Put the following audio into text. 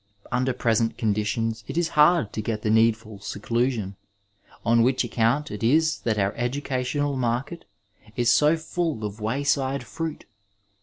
Under present conditions it is hard to get the needful seclusion, on which account it is that our educational market is so full of waj^de fruit.